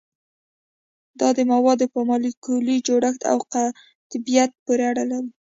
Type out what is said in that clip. دا د موادو په مالیکولي جوړښت او قطبیت پورې اړه لري